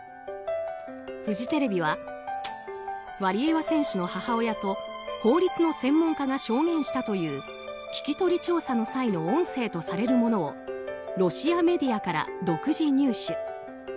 フジテレビはワリエワ選手の母親と法律の専門家が証言したという聞き取り調査の際の音声とされるものをロシアメディアから独自入手。